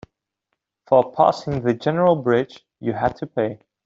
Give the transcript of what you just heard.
For passing the general bridge, you had to pay.